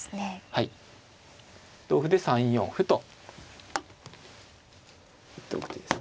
はい同歩で３四歩と打っておいてですね。